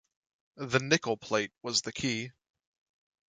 The Nickel Plate was the key.